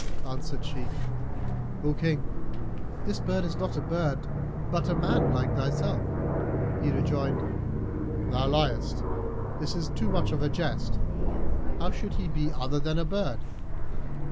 Answered she, "O King, this bird is no bird, but a man like thyself." He rejoined, "Thou liest, this is too much of a jest. How should he be other than a bird?"